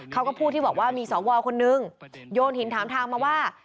เขาก็พูดที่บอกว่ามีสวคนนึงโยนหินถามทางมาว่า